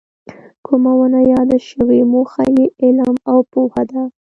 کومه ونه یاده شوې موخه یې علم او پوهه ده.